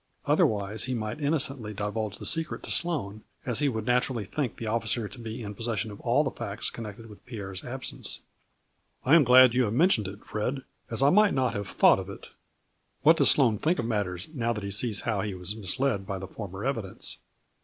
Otherwise he might inno cently divulge the secret to Sloane, as he would naturally think the officer to be in possession of all the facts connected with Pierre's absence. " I am glad you have mentioned it, Fred, as 172 A FLURRY IN DIAMONDS. I might not have thought of it. What does Sloane think of matters now that he sees how he was misled by the former evidence